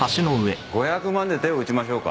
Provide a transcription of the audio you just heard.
５００万で手を打ちましょうか。